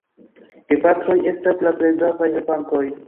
Gepatroj estas la plej gravaj helpantoj.